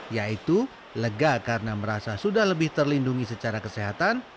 yaitu lega karena merasa sudah lebih terlindungi secara kesehatan